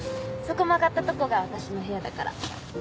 そこ曲がったとこが私の部屋だから。